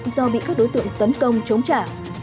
do bị các đối tượng tấn công chống trả